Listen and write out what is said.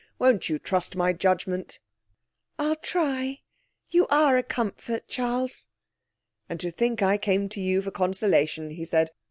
Won't you trust my judgement?' 'I'll try. You are a comfort, Charles.' 'And to think that I came to you for consolation!' he said.